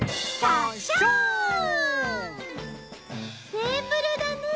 テーブルだね。